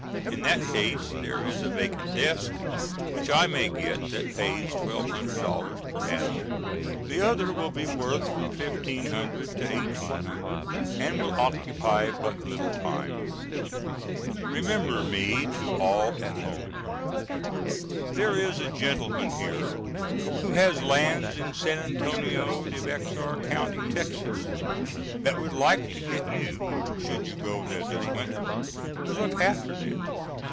In that case there is a vacant desk which I may get that pays $1200 per annum. The other will be worth from $1500 to $1800 and will occupy but little time. Remember me to all at home. There is a gentleman here who has lands in San Antonio de Bexar County, Texas, that would like to get you, should you go there this winter, to look after them.